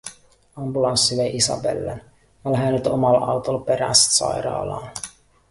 “Ambulanssi vei Isabellen, mä lähen nyt omal autol peräst sairaalaa.